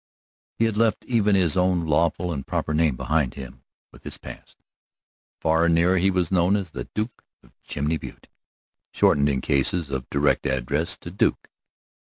He had left even his own lawful and proper name behind him with his past. Far and near he was known as the Duke of Chimney Butte, shortened in cases of direct address to "Duke."